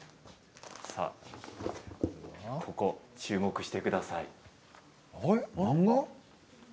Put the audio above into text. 注目してください。